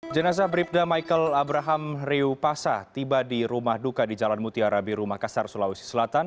jenazah bribda michael abraham riu pasa tiba di rumah duka di jalan mutiara biru makassar sulawesi selatan